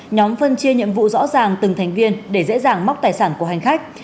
nhóm phân chia nhiệm vụ rõ ràng từng thành viên để dễ dàng móc tài sản của hành khách